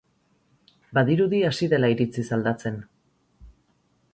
Badirudi hasi dela iritziz aldatzen.